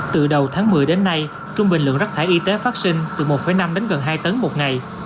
từ đầu tháng một mươi đến nay trung bình lượng rác thải y tế phát sinh từ một năm đến gần hai tấn một ngày